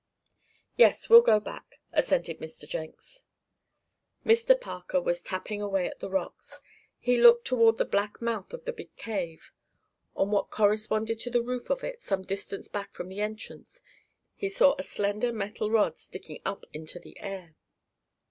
"Yes, we'll go back," assented Mr. Jenks. Mr. Parker was tapping away at the rocks. He looked toward the black mouth of the big cave. On what corresponded to the roof of it, some distance back from the entrance, he saw a slender metal rod sticking up into the air.